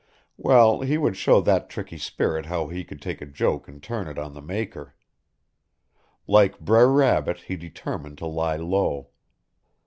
Well, he would show that tricky spirit how he could take a joke and turn it on the maker. Like Brer Rabbit he determined to lie low.